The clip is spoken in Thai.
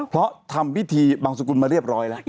เพราะทำพิธีบังสกุลมาเรียบร้อยแล้ว